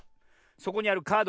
そこにあるカードをね